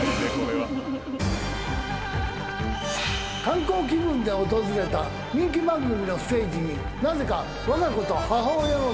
観光気分で訪れた人気番組のステージになぜかわが子と母親の姿が。